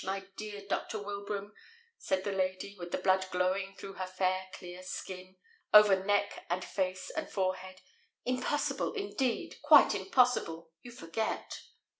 my dear Dr. Wilbraham!" cried the lady, with the blood glowing through her fair clear skin, over neck, and face, and forehead. "Impossible, indeed; quite impossible! You forget."